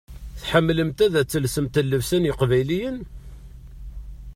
Tḥemmlemt ad telsemt llebsa n yeqbayliyen?